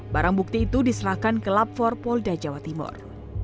barang bukti itu diserahkan ke lab empat polda jawa timur